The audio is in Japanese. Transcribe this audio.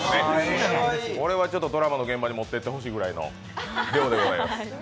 これはドラマの現場に持っていってほしいくらいの量でございます。